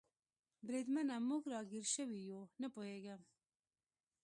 بریدمنه، موږ را ګیر شوي یو؟ نه پوهېږم.